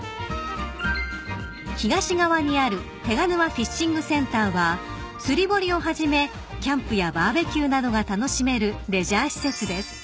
［東側にある手賀沼フィッシングセンターは釣り堀をはじめキャンプやバーベキューなどが楽しめるレジャー施設です］